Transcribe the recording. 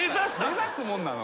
目指すもんなの？